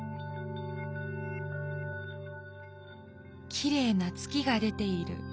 「きれいな月が出ている。